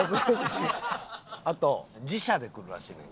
あと自車で来るらしいねん。